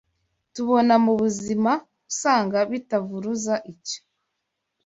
tubona mu buzima usanga bitavuruza icyo